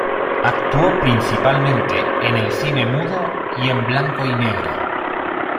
Actuó principalmente en el cine mudo y en blanco y negro.